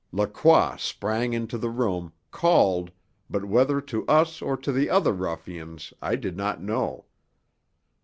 Lacroix sprang into the room, called, but whether to us or to the other ruffians I did not know.